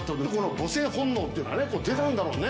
母性本能っていうがね、出たんだろうね。